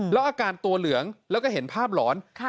แล้วอาการตัวเหลืองแล้วก็เห็นภาพหลอน